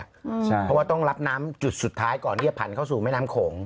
เพราะว่าต้องรับน้ำจุดสุดท้ายก่อนที่จะผ่านเข้าสู่แม่น้ำโขง